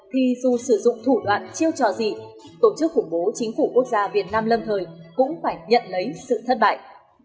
thì dù sử dụng thủ đoạn chiêu trò gì tổ chức khủng bố chính phủ quốc gia việt nam lâm thời cũng phải nhận lấy sự thất bại